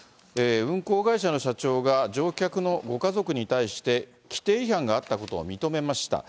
運航会社の社長が乗客のご家族に対して、規程違反があったことを認めました。